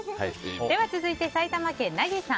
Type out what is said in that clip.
続いて、埼玉県の方。